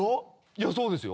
いやそうですよ。